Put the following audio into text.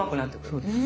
そうです。